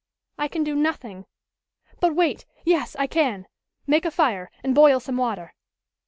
"I can do nothing. But wait, yes, I can! Make a fire, and boil some water!"